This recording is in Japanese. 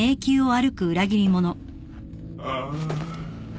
・ああ。